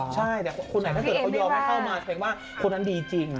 ใช่แต่คนไหนถ้าเกิดเขายอมให้เข้ามาแสดงว่าคนนั้นดีจริง